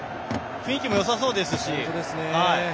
雰囲気もよさそうですし。